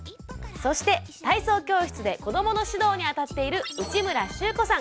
そして体操教室で子どもの指導にあたっている内村周子さん。